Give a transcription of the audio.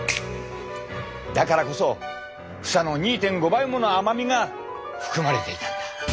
だからこそ房の２．５倍もの甘みが含まれていたんだ。